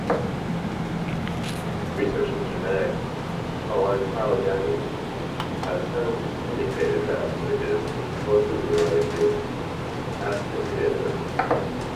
Research in genetic phylogeny has since indicated that "Circus" is closely related to "Accipiter".